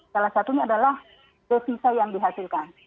salah satunya adalah devisa yang dihasilkan